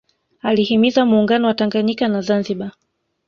Alihimiza Muungano wa Tanganyika na Zanzibar